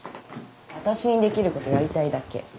わたしにできることやりたいだけ。